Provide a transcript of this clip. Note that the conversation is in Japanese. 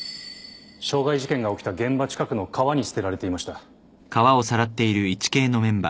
傷害事件が起きた現場近くの川に捨てられていました。